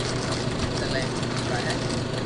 سلائي مي ڪپڙا ھي